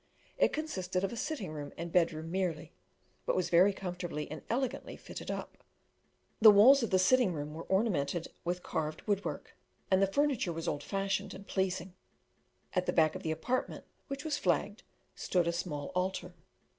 It consisted of a sitting room and bed room merely, but was very comfortably and elegantly fitted up. The walls of the sitting room were ornamented with carved wood work, and the furniture was old fashioned and pleasing: at the back of the apartment, which was flagged, stood a small altar.